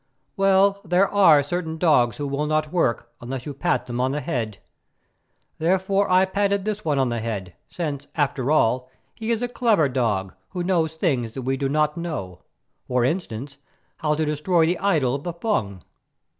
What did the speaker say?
"Well, there are certain dogs who will not work unless you pat them on the head. Therefore I patted this one on the head, since, after all, he is a clever dog who knows things that we do not know; for instance, how to destroy the idol of the Fung.